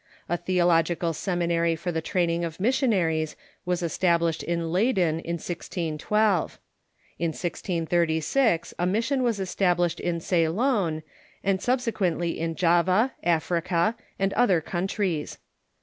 A theo logical seminary for the training of missionaries Avas estab lished in Leyden in 1012. In 1636 a mission was established in Ceylon, and subsequently in Java, Africa, and other coun tries.